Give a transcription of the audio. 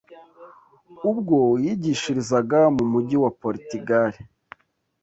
ubwo yigishirizaga mu mujyi wa poritigari